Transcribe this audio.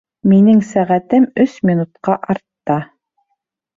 Минең сәғәтем өс минутҡа артта